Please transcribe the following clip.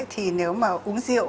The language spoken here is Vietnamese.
thì nếu mà uống rượu